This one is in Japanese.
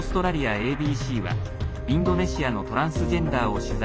ＡＢＣはインドネシアのトランスジェンダーを取材。